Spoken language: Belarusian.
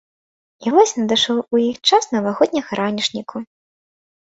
І вось надышоў у іх час навагодняга ранішніку.